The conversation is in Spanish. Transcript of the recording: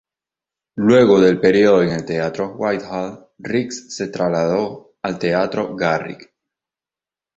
Luego del período en el Teatro Whitehall, Rix se trasladó al Teatro Garrick.